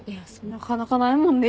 なかなかないもんね。